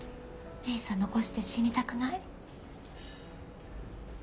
明紗残して死にたくない。